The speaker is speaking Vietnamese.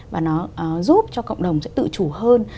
và nó giúp cho cộng đồng sẽ tự chủ hơn